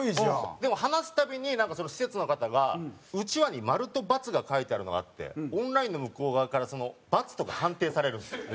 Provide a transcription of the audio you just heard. でも話すたびになんかその施設の方がうちわに○と×が書いてあるのがあってオンラインの向こう側から×とか判定されるんですよ。